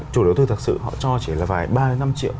chủ đầu tư thật sự họ cho chỉ là vài ba năm triệu